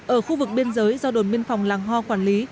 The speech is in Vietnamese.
ở khu vực biên giới do đồn biên phòng làng ho quản lý